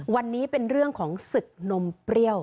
วันนี้เป็นเรื่องของศึกนมเปรี้ยว